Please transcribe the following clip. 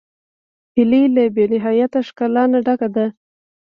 هیلۍ له بېنهایت ښکلا نه ډکه ده